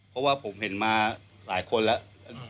เพราะว่าผมเห็นมาหลายคนแล้ว